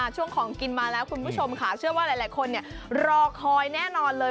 ช่วงของกินมาแล้วคุณผู้ชมค่ะเชื่อว่าหลายคนรอคอยแน่นอนเลย